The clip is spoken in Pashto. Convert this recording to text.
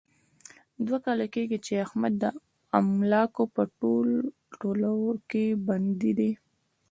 دوه کاله کېږي، چې احمد د املوکو په تول کې بندي دی.